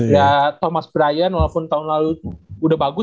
ya thomas bryan walaupun tahun lalu udah bagus